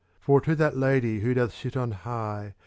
For to that Lady who doth sit on high.